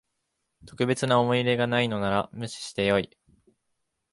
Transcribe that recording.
特別な思い入れがないのなら無視してよい